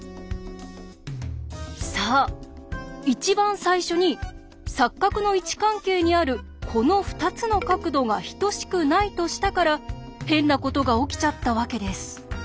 そう一番最初に錯角の位置関係にあるこの２つの角度が等しくないとしたから変なことが起きちゃったわけです。